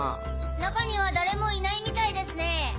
中には誰もいないみたいですね。